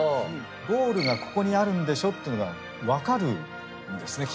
ゴールがここにあるんでしょっていうのが分かるんですね